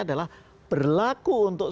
adalah berlaku untuk